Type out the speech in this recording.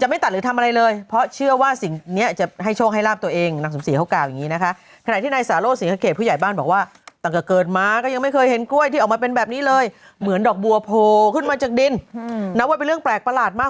จากดินนับว่าเป็นเรื่องแปลกประหลาดมาก